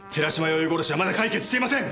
弥生殺しはまだ解決していません！